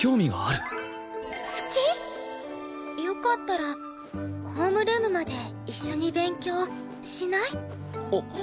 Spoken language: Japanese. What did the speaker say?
よかったらホームルームまで一緒に勉強しない？